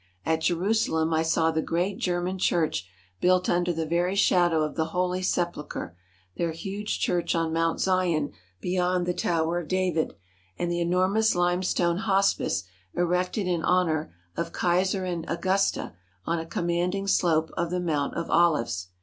At Jerusalem I saw the great German church built under the very shadow of the Holy Sepulchre, their huge church on Mount Zion beyond the Tower of David, and the enormous limestone hospice erected in honour of Kaiserin Augusta on a commanding slope of the Mount of Olives.